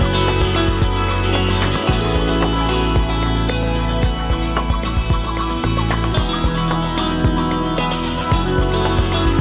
เสียงไม่มีเสียงไม่มีเสียงไม่มีเสียงสี่สามสอง